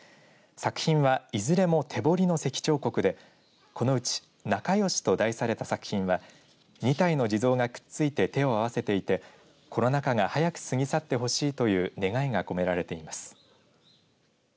作品はいずれも手彫りの石彫刻でこのうちなかよしと題された作品は２体の地蔵がくっついて手を合わせていてコロナ禍が早く過ぎ去ってほしいという願いが込められています。